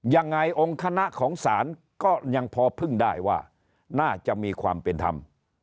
ยังไงองค์คณะของศาลก็ยังพอพึ่งได้ว่าน่าจะมีความเป็นธรรม